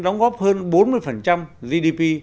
đóng góp hơn bốn mươi gdp